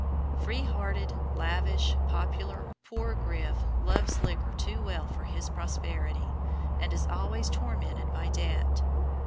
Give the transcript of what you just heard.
Free hearted, lavish, popular, poor "Griff" loves liquor too well for his prosperity, and is always tormented by debt.